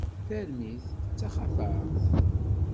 Tarmit d taxatart.